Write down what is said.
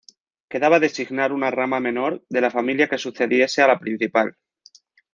Quedaba designar una rama menor de la familia que sucediese a la principal.